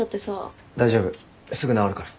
大丈夫すぐ直るから。